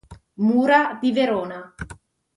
Mura di Verona